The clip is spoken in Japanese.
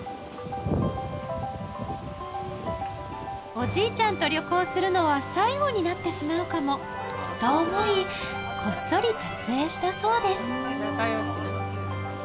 おじいちゃんと旅行するのは最後になってしまうかもと思いこっそり撮影したそうです